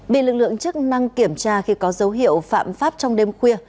bị lực lượng chức năng kiểm tra khi có dấu hiệu phạm pháp trong đêm khuya